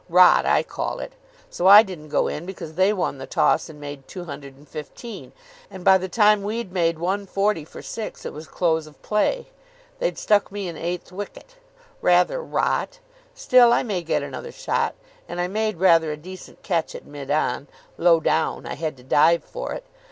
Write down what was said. Rot I call it. So I didn't go in, because they won the toss and made 215, and by the time we'd made 140 for 6 it was close of play. They'd stuck me in eighth wicket. Rather rot. Still, I may get another shot. And I made rather a decent catch at mid on. Low down. I had to dive for it.